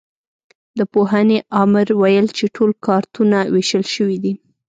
د پوهنې امر ویل چې ټول کارتونه وېشل شوي دي.